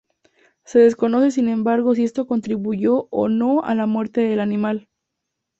Se desconoce sin embargo si esto contribuyó o no a la muerte del animal.